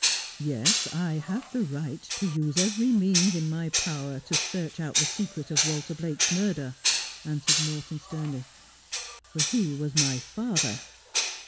' Yes, I have the right to use every means in my power to Poor Luc;/. 173 search out the secret of Walter Blake's murder,' answered Morton sternly, 'for he was my father.'